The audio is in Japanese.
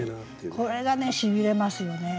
これがねしびれますよね。